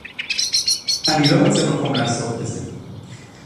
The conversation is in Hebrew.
אני לא מוצא מקום לעסוק בזה